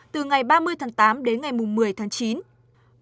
từ ngày ba mươi tháng tám đến ngày một mươi tháng chín